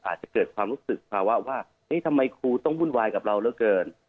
อาจจะเกิดความรู้สึกภาวะว่าเอ๊ะทำไมครูต้องวุ่นวายกับเราเหลือเกิน